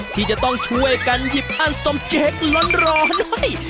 ที่จะต้องช่วยกันหยิบอะสมแจ๊คร้อนรอหน่อย